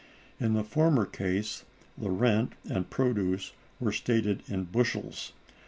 In the former case the rent and produce were stated in bushels.